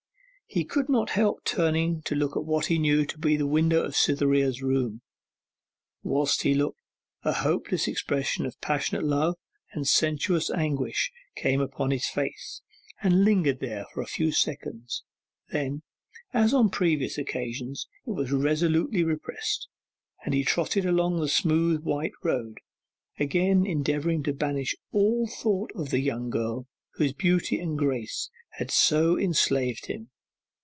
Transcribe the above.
He could not help turning to look at what he knew to be the window of Cytherea's room. Whilst he looked, a hopeless expression of passionate love and sensuous anguish came upon his face and lingered there for a few seconds; then, as on previous occasions, it was resolutely repressed, and he trotted along the smooth white road, again endeavouring to banish all thought of the young girl whose beauty and grace had so enslaved him.